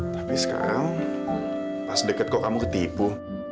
tapi sekarang pas deket kok kamu ketipu